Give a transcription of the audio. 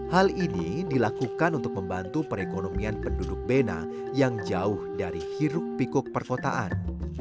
hal ini dilakukan untuk membantu perekonomian penduduk bena yang jauh dari hiruk pikuk perkotaan